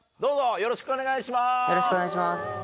よろしくお願いします。